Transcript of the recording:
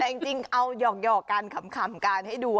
แต่จริงเอาหยอกกันขำกันให้ดู